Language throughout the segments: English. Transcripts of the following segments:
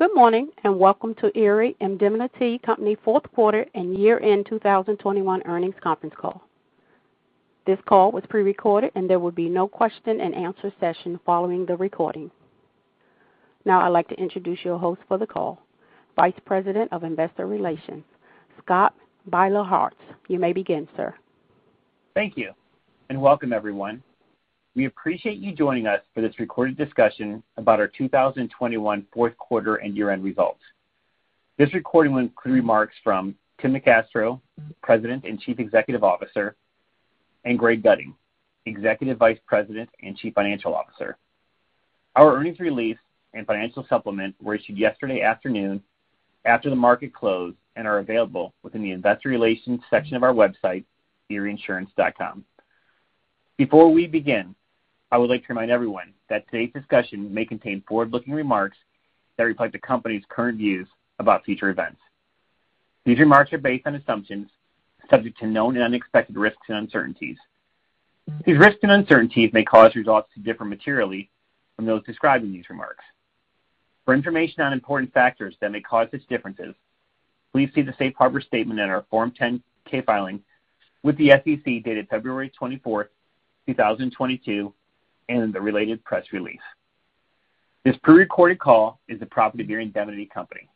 Good morning, and welcome to Erie Indemnity Company Fourth Quarter and Year-end 2021 Earnings Conference call. This call was prerecorded and there will be no question-and-answer session following the recording. Now I'd like to introduce your host for the call, Vice President of Investor Relations, Scott Beilharz. You may begin, sir. Thank you, and welcome everyone. We appreciate you joining us for this recorded discussion about our 2021 fourth quarter and year-end results. This recording will include remarks from Tim NeCastro, President and Chief Executive Officer, and Greg Gutting, Executive Vice President and Chief Financial Officer. Our earnings release and financial supplement were issued yesterday afternoon after the market closed and are available within the investor relations section of our website, www.erieinsurance.com. Before we begin, I would like to remind everyone that today's discussion may contain forward-looking remarks that reflect the company's current views about future events. These remarks are based on assumptions subject to known and unexpected risks and uncertainties. These risks and uncertainties may cause results to differ materially from those described in these remarks. For information on important factors that may cause such differences, please see the Safe Harbor statement in our Form 10-K filing with the SEC dated February 24, 2022, and the related press release. This pre-recorded call is the property of Erie Indemnity Company.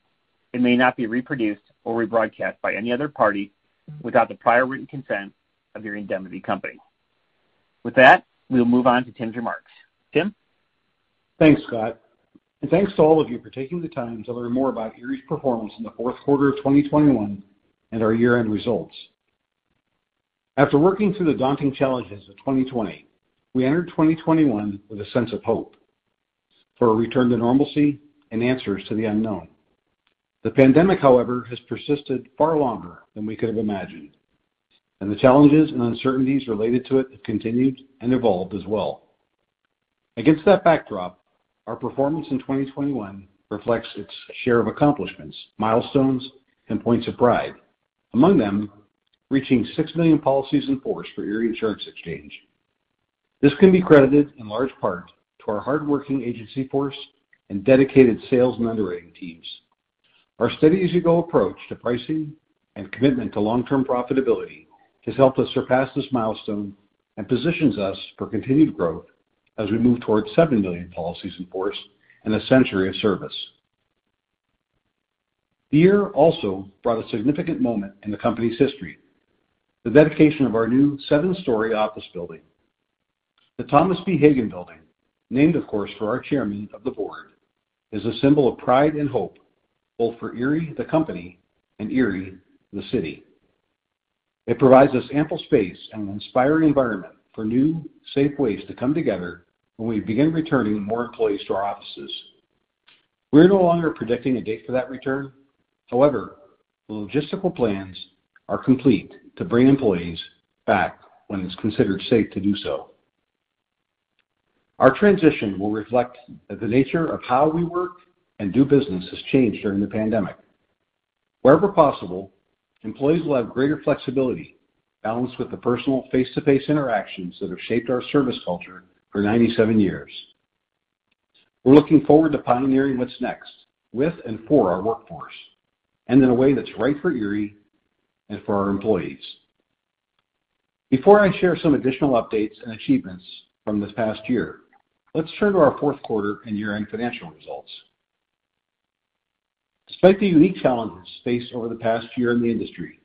It may not be reproduced or rebroadcast by any other party without the prior written consent of Erie Indemnity Company. With that, we'll move on to Tim's remarks. Tim? Thanks, Scott, and thanks to all of you for taking the time to learn more about Erie's performance in the fourth quarter of 2021 and our year-end results. After working through the daunting challenges of 2020, we entered 2021 with a sense of hope for a return to normalcy and answers to the unknown. The pandemic, however, has persisted far longer than we could have imagined, and the challenges and uncertainties related to it have continued and evolved as well. Against that backdrop, our performance in 2021 reflects its share of accomplishments, milestones, and points of pride. Among them, reaching 6 million policies in force for Erie Insurance Exchange. This can be credited in large part to our hardworking agency force and dedicated sales and underwriting teams. Our steady-as-you-go approach to pricing and commitment to long-term profitability has helped us surpass this milestone and positions us for continued growth as we move towards 7 million policies in force in a century of service. The year also brought a significant moment in the company's history, the dedication of our new seven-story office building. The Thomas B. Hagen Building, named of course for our Chairman of the Board, is a symbol of pride and hope, both for Erie, the company, and Erie, the city. It provides us ample space and an inspiring environment for new, safe ways to come together when we begin returning more employees to our offices. We're no longer predicting a date for that return. However, the logistical plans are complete to bring employees back when it's considered safe to do so. Our transition will reflect the nature of how we work and do business has changed during the pandemic. Wherever possible, employees will have greater flexibility balanced with the personal face-to-face interactions that have shaped our service culture for 97 years. We're looking forward to pioneering what's next with and for our workforce, and in a way that's right for Erie and for our employees. Before I share some additional updates and achievements from this past year, let's turn to our fourth quarter and year-end financial results. Despite the unique challenges faced over the past year in the industry,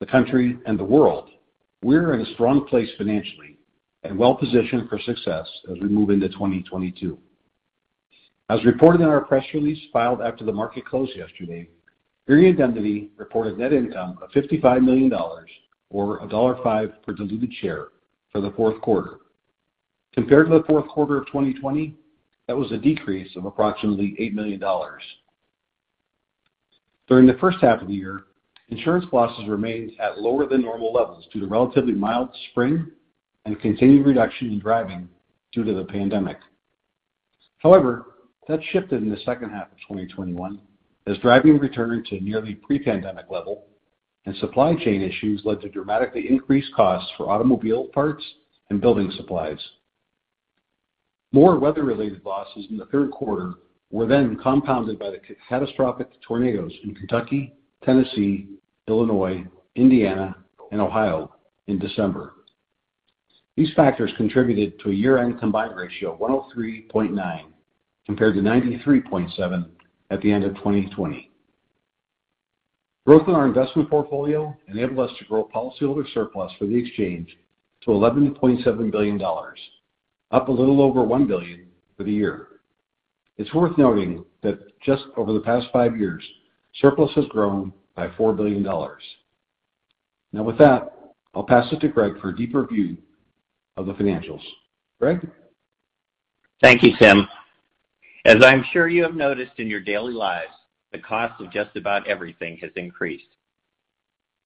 the country and the world, we're in a strong place financially and well-positioned for success as we move into 2022. As reported in our press release filed after the market closed yesterday, Erie Indemnity reported net income of $55 million or $1.05 per diluted share for the fourth quarter. Compared to the fourth quarter of 2020, that was a decrease of approximately $8 million. During the first half of the year, insurance losses remained at lower than normal levels due to relatively mild spring and continued reduction in driving due to the pandemic. However, that shifted in the second half of 2021 as driving returned to nearly pre-pandemic level and supply chain issues led to dramatically increased costs for automobile parts and building supplies. More weather-related losses in the third quarter were then compounded by the catastrophic tornadoes in Kentucky, Tennessee, Illinois, Indiana, and Ohio in December. These factors contributed to a year-end combined ratio of 103.9 compared to 93.7 at the end of 2020. Growth in our investment portfolio enabled us to grow policyholder surplus for the exchange to $11.7 billion, up a little over $1 billion for the year. It's worth noting that just over the past five years, surplus has grown by $4 billion. Now with that, I'll pass it to Greg for a deeper view of the financials. Greg? Thank you, Tim. As I'm sure you have noticed in your daily lives, the cost of just about everything has increased.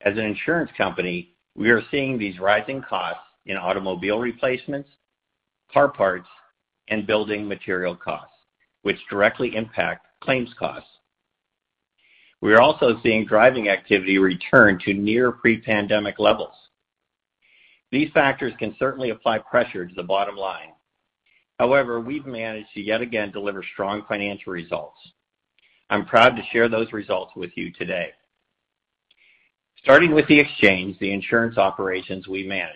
As an insurance company, we are seeing these rising costs in automobile replacements, car parts, and building material costs, which directly impact claims costs. We are also seeing driving activity return to near pre-pandemic levels. These factors can certainly apply pressure to the bottom line. However, we've managed to yet again deliver strong financial results. I'm proud to share those results with you today. Starting with the exchange, the insurance operations we manage,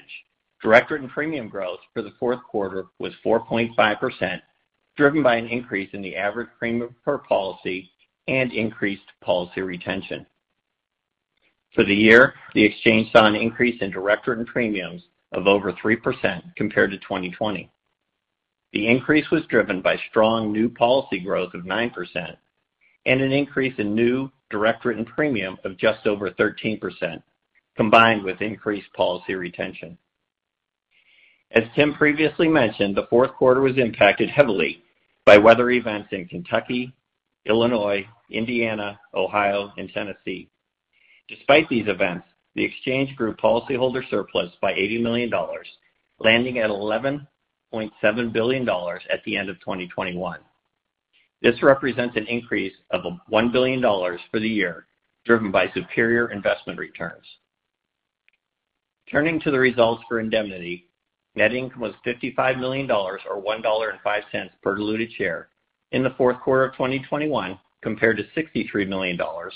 direct written premium growth for the fourth quarter was 4.5%, driven by an increase in the average premium per policy and increased policy retention. For the year, the exchange saw an increase in direct written premiums of over 3% compared to 2020. The increase was driven by strong new policy growth of 9% and an increase in new direct written premium of just over 13%, combined with increased policy retention. As Tim previously mentioned, the fourth quarter was impacted heavily by weather events in Kentucky, Illinois, Indiana, Ohio, and Tennessee. Despite these events, the exchange grew policyholder surplus by $80 million, landing at $11.7 billion at the end of 2021. This represents an increase of $1 billion for the year, driven by superior investment returns. Turning to the results for Indemnity, net income was $55 million or $1.05 per diluted share in the fourth quarter of 2021 compared to $63 million or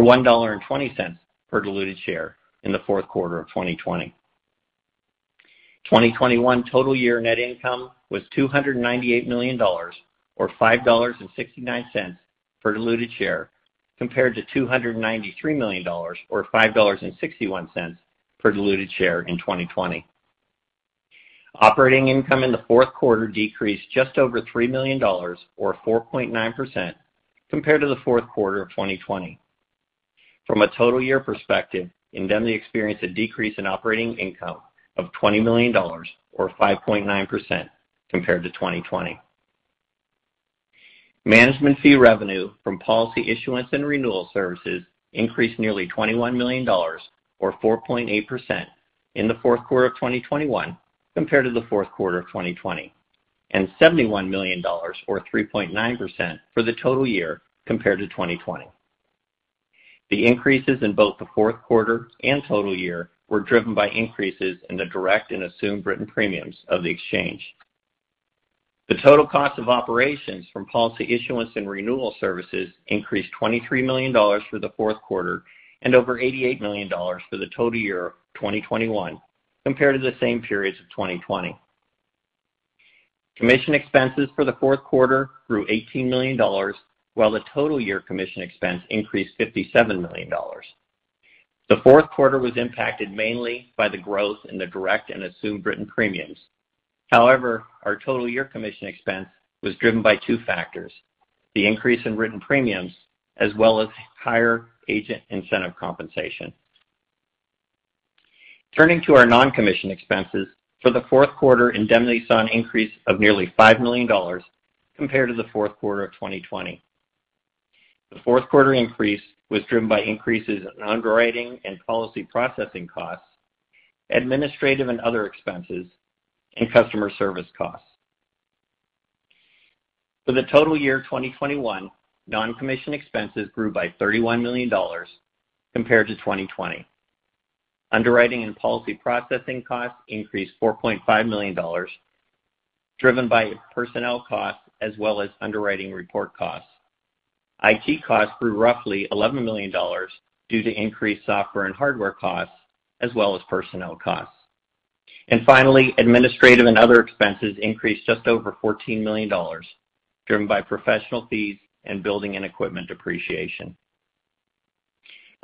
$1.20 per diluted share in the fourth quarter of 2020. 2021 total year net income was $298 million or $5.69 per diluted share compared to $293 million or $5.61 per diluted share in 2020. Operating income in the fourth quarter decreased just over $3 million or 4.9% compared to the fourth quarter of 2020. From a total year perspective, Indemnity experienced a decrease in operating income of $20 million or 5.9% compared to 2020. Management fee revenue from policy issuance and renewal services increased nearly $21 million or 4.8% in the fourth quarter of 2021 compared to the fourth quarter of 2020, and $71 million or 3.9% for the total year compared to 2020. The increases in both the fourth quarter and total year were driven by increases in the direct and assumed written premiums of the exchange. The total cost of operations from policy issuance and renewal services increased $23 million for the fourth quarter and over $88 million for the total year of 2021 compared to the same periods of 2020. Commission expenses for the fourth quarter grew $18 million, while the total year commission expense increased $57 million. The fourth quarter was impacted mainly by the growth in the direct and assumed written premiums. However, our total year commission expense was driven by two factors, the increase in written premiums as well as higher agent incentive compensation. Turning to our non-commission expenses, for the fourth quarter, Indemnity saw an increase of nearly $5 million compared to the fourth quarter of 2020. The fourth quarter increase was driven by increases in underwriting and policy processing costs, administrative and other expenses, and customer service costs. For the total year 2021, non-commission expenses grew by $31 million compared to 2020. Underwriting and policy processing costs increased $4.5 million, driven by personnel costs as well as underwriting report costs. IT costs grew roughly $11 million due to increased software and hardware costs, as well as personnel costs. Finally, administrative and other expenses increased just over $14 million, driven by professional fees and building and equipment depreciation.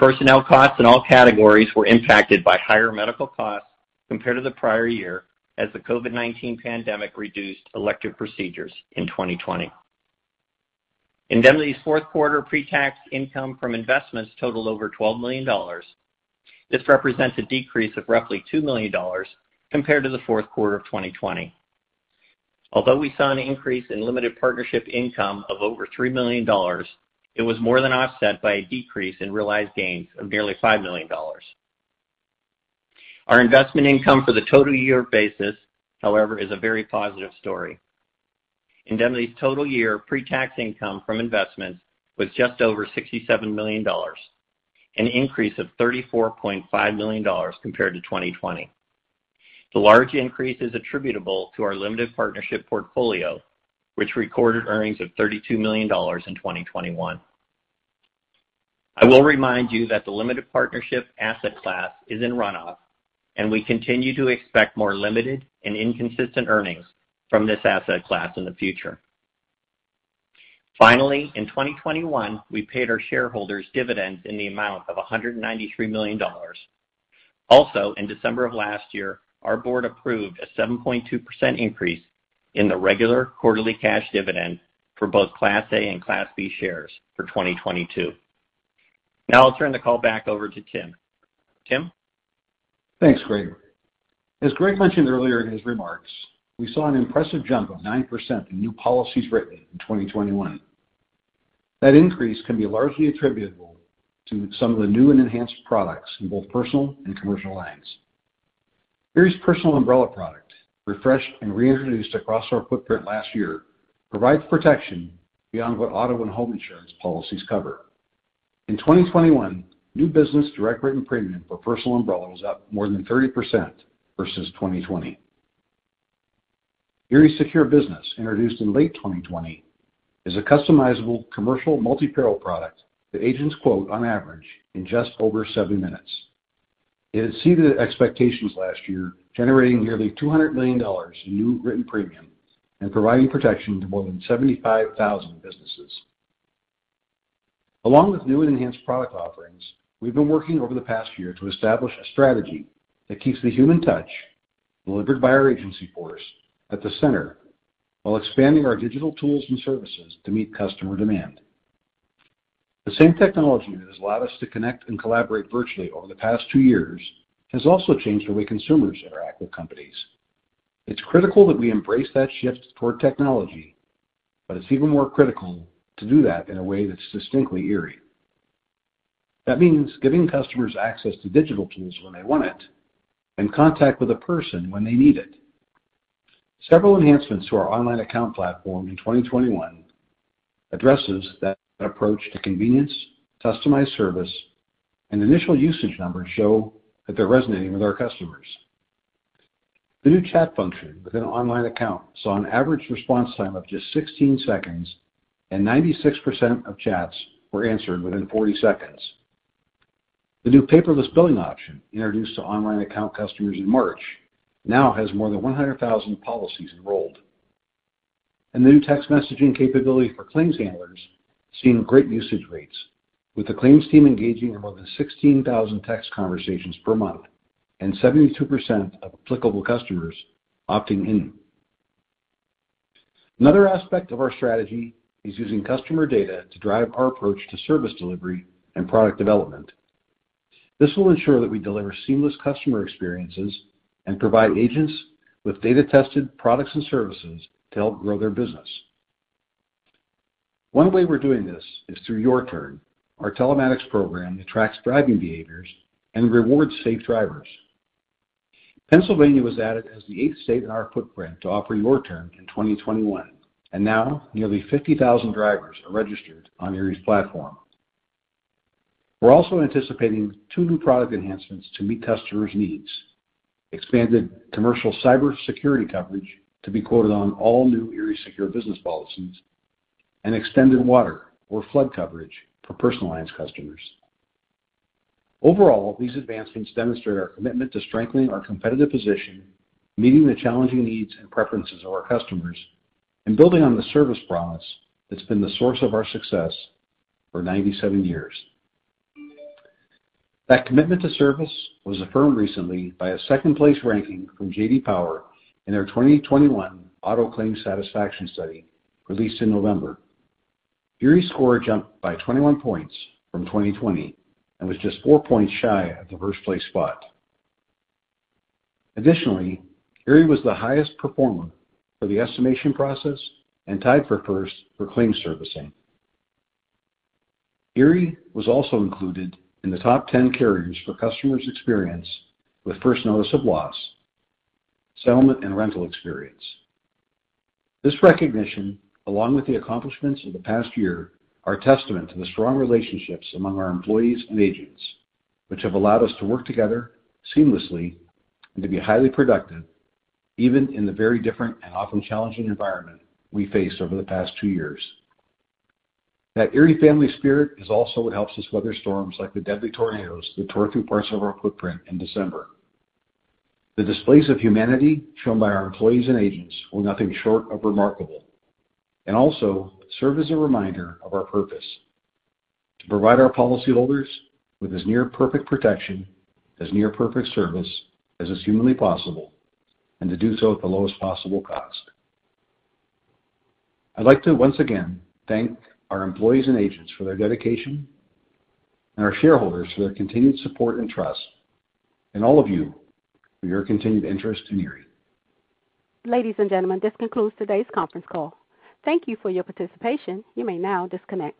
Personnel costs in all categories were impacted by higher medical costs compared to the prior year as the COVID-19 pandemic reduced elective procedures in 2020. Indemnity's fourth quarter pre-tax income from investments totaled over $12 million. This represents a decrease of roughly $2 million compared to the fourth quarter of 2020. Although we saw an increase in limited partnership income of over $3 million, it was more than offset by a decrease in realized gains of nearly $5 million. Our investment income for the total year basis, however, is a very positive story. Indemnity's total year pre-tax income from investments was just over $67 million, an increase of $34.5 million compared to 2020. The large increase is attributable to our limited partnership portfolio, which recorded earnings of $32 million in 2021. I will remind you that the limited partnership asset class is in runoff, and we continue to expect more limited and inconsistent earnings from this asset class in the future. Finally, in 2021, we paid our shareholders dividends in the amount of $193 million. Also, in December of last year, our board approved a 7.2% increase in the regular quarterly cash dividend for both Class A and Class B shares for 2022. Now I'll turn the call back over to Tim. Tim? Thanks, Greg. As Greg mentioned earlier in his remarks, we saw an impressive jump of 9% in new policies written in 2021. That increase can be largely attributable to some of the new and enhanced products in both personal and commercial lines. Erie's Personal Umbrella product, refreshed and reintroduced across our footprint last year, provides protection beyond what auto and home insurance policies cover. In 2021, new business direct written premium for Personal Umbrella was up more than 30% versus 2020. Erie Secure Business, introduced in late 2020, is a customizable commercial multi-peril product that agents quote on average in just over seven minutes. It exceeded expectations last year, generating nearly $200 million in new written premium and providing protection to more than 75,000 businesses. Along with new and enhanced product offerings, we've been working over the past year to establish a strategy that keeps the human touch, delivered by our agency force, at the center, while expanding our digital tools and services to meet customer demand. The same technology that has allowed us to connect and collaborate virtually over the past two years has also changed the way consumers interact with companies. It's critical that we embrace that shift toward technology, but it's even more critical to do that in a way that's distinctly Erie. That means giving customers access to digital tools when they want it, and contact with a person when they need it. Several enhancements to our online account platform in 2021 addresses that approach to convenience, customized service, and initial usage numbers show that they're resonating with our customers. The new chat function within an online account saw an average response time of just 16 seconds, and 96% of chats were answered within 40 seconds. The new paperless billing option, introduced to online account customers in March, now has more than 100,000 policies enrolled. The new text messaging capability for claims handlers is seeing great usage rates, with the claims team engaging in more than 16,000 text conversations per month, and 72% of applicable customers opting in. Another aspect of our strategy is using customer data to drive our approach to service delivery and product development. This will ensure that we deliver seamless customer experiences and provide agents with data-tested products and services to help grow their business. One way we're doing this is through YourTurn, our telematics program that tracks driving behaviors and rewards safe drivers. Pennsylvania was added as the eighth state in our footprint to offer YourTurn in 2021, and now nearly 50,000 drivers are registered on Erie's platform. We're also anticipating two new product enhancements to meet customers' needs, expanded commercial cyber security coverage to be quoted on all new Erie Secure Business policies, and extended water or flood coverage for personal lines customers. Overall, these advancements demonstrate our commitment to strengthening our competitive position, meeting the challenging needs and preferences of our customers, and building on the service promise that's been the source of our success for 97 years. That commitment to service was affirmed recently by a second-place ranking from J.D. Power in their 2021 Auto Claims Satisfaction Study, released in November. Erie's score jumped by 21 points from 2020 and was just four points shy of the first-place spot. Additionally, Erie was the highest performer for the estimation process, and tied for first for claims servicing. Erie was also included in the Top 10 carriers for customers' experience with first notice of loss, settlement, and rental experience. This recognition, along with the accomplishments of the past year, are testament to the strong relationships among our employees and agents, which have allowed us to work together seamlessly and to be highly productive, even in the very different and often challenging environment we faced over the past two years. That Erie family spirit is also what helps us weather storms like the deadly tornadoes that tore through parts of our footprint in December. The displays of humanity shown by our employees and agents were nothing short of remarkable, and also serve as a reminder of our purpose, to provide our policyholders with as near perfect protection, as near perfect service as is humanly possible, and to do so at the lowest possible cost. I'd like to once again thank our employees and agents for their dedication, and our shareholders for their continued support and trust, and all of you for your continued interest in Erie. Ladies and gentlemen, this concludes today's conference call. Thank you for your participation. You may now disconnect.